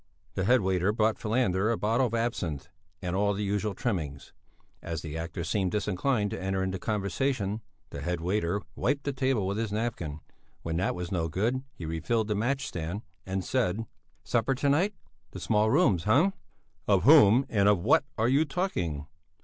The head waiter brought Falander a bottle of absinth, and all the usual trimmings. As the actor seemed disinclined to enter into conversation, the head waiter wiped the table with his napkin; when that was no good, he refilled the match stand, and said: "Supper to night, the small rooms! Hm!" "Of whom and of what are you talking?"